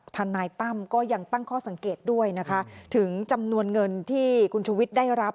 ทนายตั้มก็ยังตั้งข้อสังเกตด้วยนะคะถึงจำนวนเงินที่คุณชุวิตได้รับ